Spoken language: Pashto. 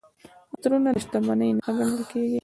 عطرونه د شتمنۍ نښه ګڼل کیږي.